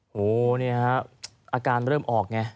โหนี่ฮะอาการเริ่มออกไง